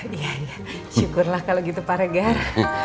iya iya syukurlah kalau gitu pak regar